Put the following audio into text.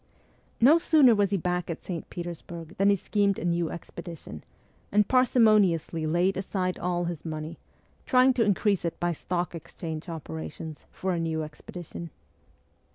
No sooner was he back at St. Petersburg than he schemed a new expedition, and parsimoniously laid aside all his money, trying to increase it by Stock Exchange opera tions, for a new expedition.